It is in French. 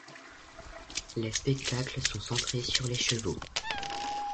Les spectacles sont centrés sur les chevaux.